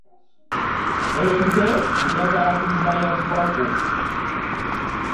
Ente njagala kugula ya ggwako.